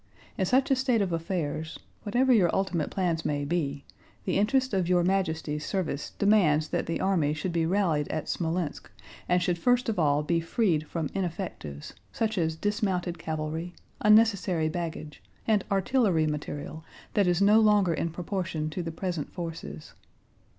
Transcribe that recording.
In such a state of affairs, whatever your ultimate plans may be, the interest of Your Majesty's service demands that the army should be rallied at Smolénsk and should first of all be freed from ineffectives, such as dismounted cavalry, unnecessary baggage, and artillery material that is no longer in proportion to the present forces.